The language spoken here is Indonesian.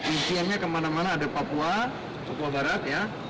isiannya kemana mana ada papua papua barat ya